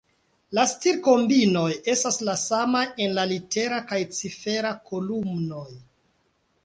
La stir-kombinoj estas la samaj en la litera kaj cifera kolumnoj.